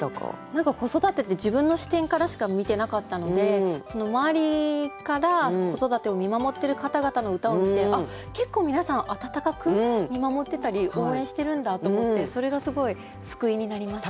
何か子育てって自分の視点からしか見てなかったので周りから子育てを見守っている方々の歌を見て結構皆さん温かく見守ってたり応援してるんだと思ってそれがすごい救いになりました。